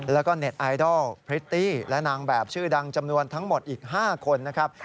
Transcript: แล้วก็เน็ตไอดอลพริตตี้และนางแบบชื่อดังจำนวนทั้งหมดอีก๕คนนะครับ